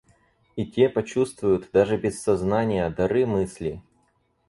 И те почувствуют, даже без сознания, дары мысли.